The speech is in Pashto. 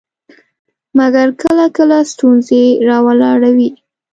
مګر کله کله ستونزې راولاړوي.